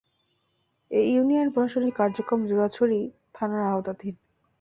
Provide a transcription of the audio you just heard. এ ইউনিয়নের প্রশাসনিক কার্যক্রম জুরাছড়ি থানার আওতাধীন।